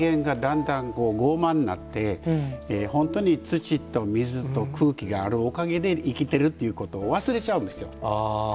人間がだんだん傲慢になって本当に土と水と空気があるおかげで生きてるということを忘れちゃうんですよ。